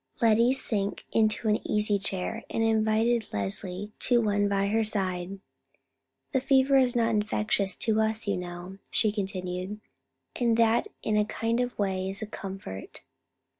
Lettie sank into an easy chair, and invited Leslie to one by her side. "The fever is not infectious to us, you know," she continued, "and that in a kind of way is a comfort.